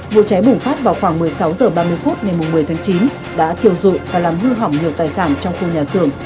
vụ cháy bùng phát vào khoảng một mươi sáu h ba mươi phút ngày một mươi tháng chín đã thiêu dụi và làm hư hỏng nhiều tài sản trong khu nhà xưởng